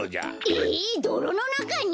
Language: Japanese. えどろのなかに！？